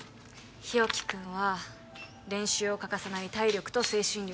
日沖君は練習を欠かさない体力と精神力